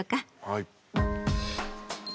はい。